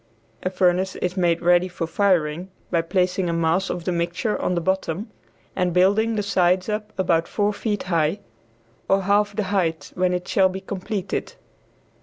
A furnace is made ready for firing by placing a mass of the mixture on the bottom, and building the sides up about four feet high (or half the height when it shall be completed).